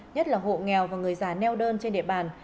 nhất là hộ nghèo và người già neo đơn trên địa bàn